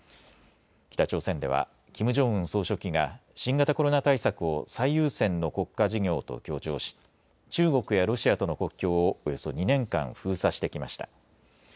北朝鮮ではキム・ジョンウン総書記が新型コロナ対策を最優先の国家事業と強調し中国やロシアとの国境をおよそ２年間、封鎖してきました。